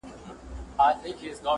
o اوښ په خپلو متيازو کي خويېږي.